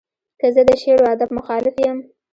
که زه د شعر و ادب مخالف یم.